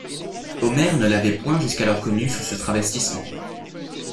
Omer ne l'avait point jusqu'alors connu sous ce travestissement.